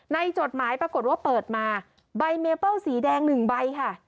จดหมายปรากฏว่าเปิดมาใบเมเปิ้ลสีแดง๑ใบค่ะ